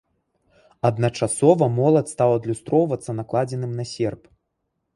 Адначасова молат стаў адлюстроўвацца накладзеным на серп.